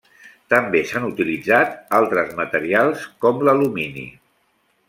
També s'han utilitzat altres materials com l'alumini.